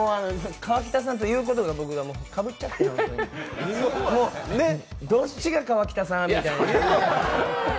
河北さんと僕が言うことがかぶっちゃって、どっちが河北さん？みたいな。